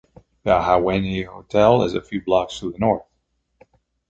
The Ahwahnee Hotel is a few blocks to the north.